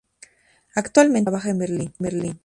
Actualmente, vive y trabaja en Berlín.